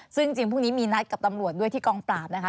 ซึ่งจริงพรุ่งนี้มีนัดกับตำรวจด้วยที่กองปราบนะคะ